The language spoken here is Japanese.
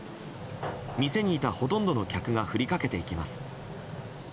店にいたほとんどの客が振りかけていきます。